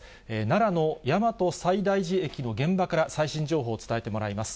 奈良の大和西大寺駅の現場から最新情報を伝えてもらいます。